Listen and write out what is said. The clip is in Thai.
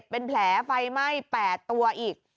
เป็นแผลไฟไหม้๘ตัวอีก